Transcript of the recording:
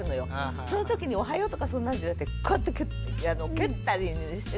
そのときに「おはよう」とかそんなんじゃなくてこうやって蹴ったりしてくるのね。